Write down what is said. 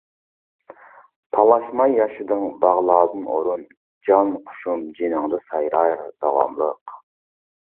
تالاشماي ياشىدىڭ باغلاردىن ئورۇن، جان قۇشۇم جېنىڭدا سايرار داۋاملىق.